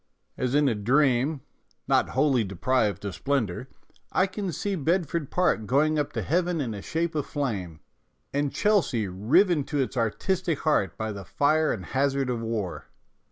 As in a dream, not wholly deprived of splendour, I can see Bed ford Park going up to heaven in a shape 168 MONOLOGUES of flame, and Chelsea riven to its artistic heart by the fire and hazard of war.